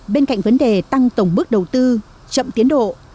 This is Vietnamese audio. bên cạnh vấn đề tăng tổng mức đầu tư chậm tiến độ